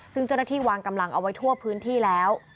ซึ่งเจ้าหน้าที่วางกำลังเอาไว้ทั่วพื้นที่แล้ว